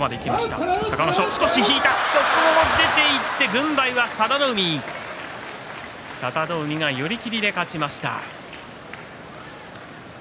軍配は佐田の海佐田の海が寄り切りで勝ちました。